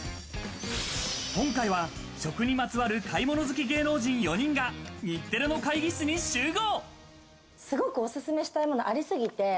今回は食にまつわる買い物好き芸能人４人が日テレの会議室に集合。